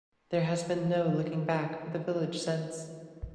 There has been no looking back for the village since.